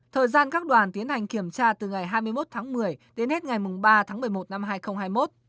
thời gian các đoàn tiến hành kiểm tra từ ngày hai mươi một tháng một mươi đến hết ngày ba tháng một mươi một năm hai nghìn hai mươi một